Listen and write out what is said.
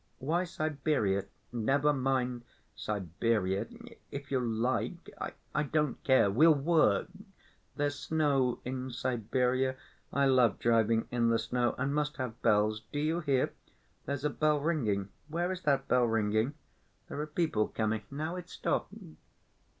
"Why Siberia? Never mind, Siberia, if you like. I don't care ... we'll work ... there's snow in Siberia.... I love driving in the snow ... and must have bells.... Do you hear, there's a bell ringing? Where is that bell ringing? There are people coming.... Now it's stopped."